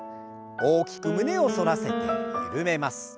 大きく胸を反らせて緩めます。